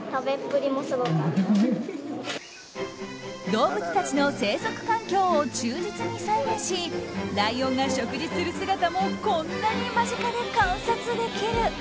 動物たちの生息環境を忠実に再現しライオンが食事する姿もこんなに間近で観察できる。